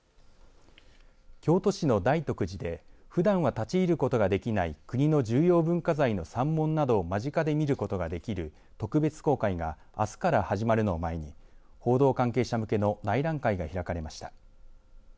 京都市の大徳寺でふだんは立ち入ることができない国の重要文化財の三門などを間近で見ることができる特別公開があすから始まるのを前に報道関係者向けの内覧会が開かれました。